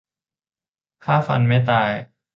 ฆ่าฟันไม่ตาย